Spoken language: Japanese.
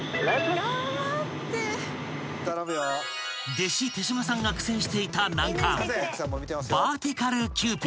［弟子手島さんが苦戦していた難関］